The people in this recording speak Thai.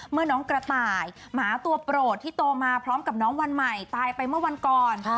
เมื่อน้องกระต่ายหมาตัวโปรดที่โตมาพร้อมกับน้องวันใหม่ตายไปเมื่อวันก่อน